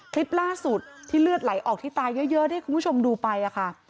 คลิปล่าสุดที่เลือดไหลออกที่ตาเยอะที่คุณผู้ชมดูไปค่ะ